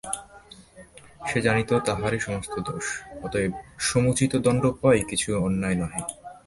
সে জানিত তাহারই সমস্ত দোষ, অতএব সমুচিত দণ্ড পাওয়া কিছু অন্যায় নহে।